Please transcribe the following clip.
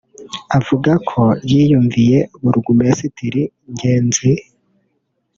Avuga ko yiyumviye Burugumesitiri [Ngenzi]